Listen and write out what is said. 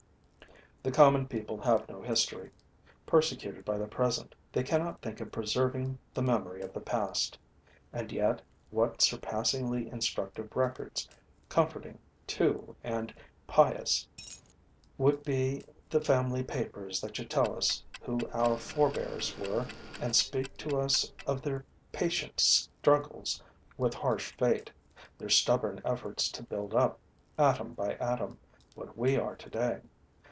The common people have no history: persecuted by the present, they cannot think of preserving the memory of the past. And yet what surpassingly instructive records, comforting too and pious, would be the family papers that should tell us who our forebears were and speak to us of their patient struggles with harsh fate, their stubborn efforts to build up, atom by atom, what we are today.